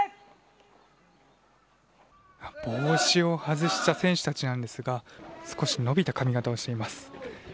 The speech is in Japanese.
帽子を外した選手たちですが少し伸びた髪形をしています。